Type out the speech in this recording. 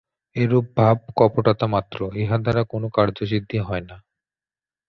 এরূপ ভাব কপটতা মাত্র, ইহা দ্বারা কোন কার্যসিদ্ধি হয় না।